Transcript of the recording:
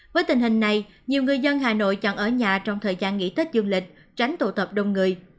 với tình hình này nhiều người dân hà nội chọn ở nhà trong thời gian nghỉ tết dương lịch tránh tụ tập đông người